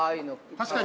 ◆確かに。